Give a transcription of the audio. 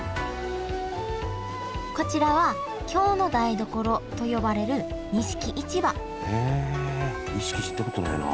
こちらは京の台所と呼ばれる錦市場へえ錦行ったことないな。